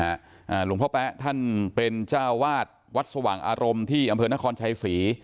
อ่าหลวงพ่อแป๊ะท่านเป็นเจ้าวาดวัดสว่างอารมณ์ที่อำเภอนครชัยศรี